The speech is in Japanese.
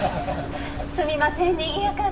すみませんにぎやかで。